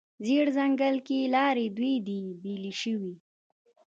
زیړ ځنګله کې لارې دوې دي، بیلې شوې